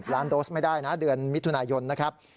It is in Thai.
ล้านโดสไม่ได้นะเดือนมิถุนายนนะครับ